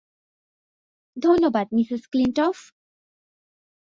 ধন্যবাদ, মিসেস ক্লিনটফ।